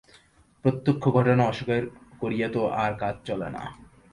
প্রত্যক্ষ ঘটনা অস্বীকার করিয়া তো আর কাজ করা চলে না।